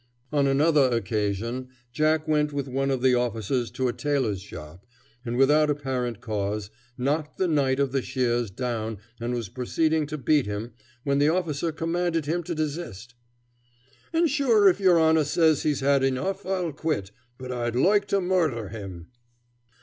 On another occasion Jack went with one of the officers to a tailor's shop, and, without apparent cause, knocked the knight of the shears down and was proceeding to beat him, when the officer commanded him to desist. "An' sure if your honor says he's had enough, I'll quit, but I'd loike to murdher him."